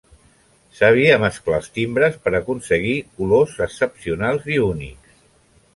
Sabia mesclar els timbres per aconseguir colors excepcionals i únics.